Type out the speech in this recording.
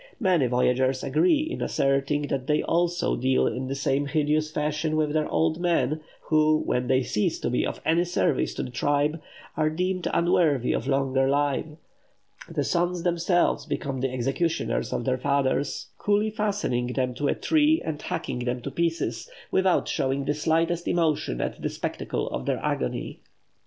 Many voyagers agree in asserting that they also deal in the same hideous fashion with their old men, who, when they cease to be of any service to the tribe, are deemed unworthy of longer life; the sons themselves become the executioners of their fathers, coolly fastening them to a tree and hacking them to pieces, without showing the slightest emotion at the spectacle of their agony.